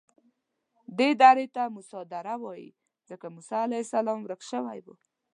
دې درې ته موسی دره وایي ځکه موسی علیه السلام ورک شوی و.